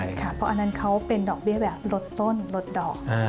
ใช่ค่ะเพราะอันนั้นเขาเป็นดอกเบี้ยแบบรถต้นรถดอก